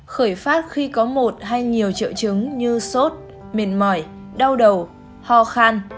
khởi phát khi có một hay nhiều triệu chứng như sốt mệt mỏi đau đầu ho khan